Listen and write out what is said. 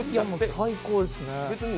最高ですね。